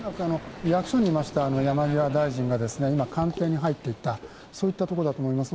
役所にいました山際大臣が今、官邸に入っていったところだと思います。